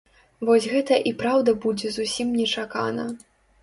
Вось гэта і праўда будзе зусім нечакана.